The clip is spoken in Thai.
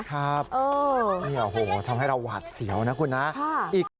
ครับเนี่ยโหทำให้เราหวาดเสียวนะคุณนะอีกครับ